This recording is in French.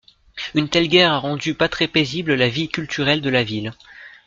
Une telle guerre a rendu pas très paisible la vie culturelle de la ville.